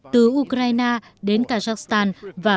từ ukraine đến kosovo